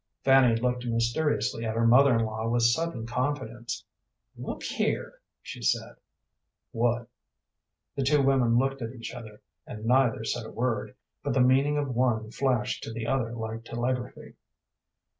Fanny looked mysteriously at her mother in law with sudden confidence. "Look here," she said. "What?" The two women looked at each other, and neither said a word, but the meaning of one flashed to the other like telegraphy.